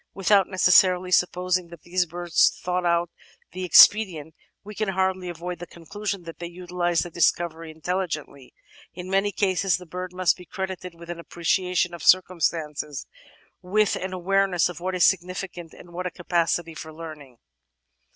Without necessarily sup posing that these birds thought out the expedient, we can hardly avoid the conclusion that they utilise the discovery intelligently. In many cases the bird must be credited with an appreciation of circumstances, with an awareness of what is significant, and with a capacity for learning.